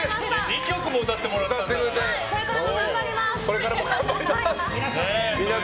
２曲も歌ってもらったんだから。